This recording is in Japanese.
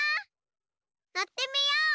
のってみよう！